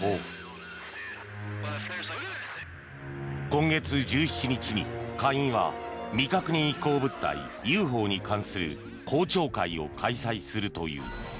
今月１７日に下院は未確認飛行物体・ＵＦＯに関する公聴会を開催するという。